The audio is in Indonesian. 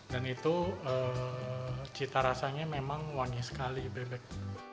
dan itu cita rasanya memang wangi sekali bebek